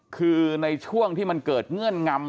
คือในช่วงที่มันเกิดเงื่อนงำ